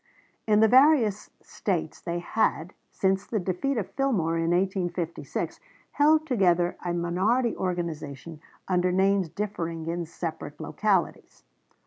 In the various States they had, since the defeat of Fillmore in 1856, held together a minority organization under names differing in separate localities.